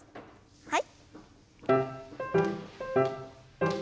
はい。